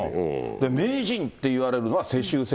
名人っていわれるのは、世襲制。